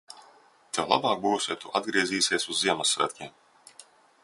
Tev labāk būs, ja tu atgriezīsies uz ziemassvētkiem!